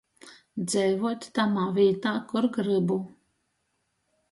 Dzeivuot tamā vītā, kur grybu.